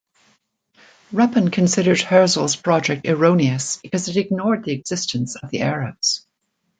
Ruppin considered Herzl's project erroneous because it ignored the existence of the Arabs.